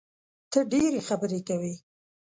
ته ډېري خبري کوې!